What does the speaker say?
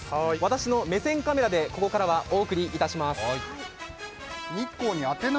私の目線カメラで、ここからはお送りいたします。